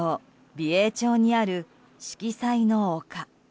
美瑛町にある四季彩の丘。